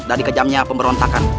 dari kejamnya pemberontakan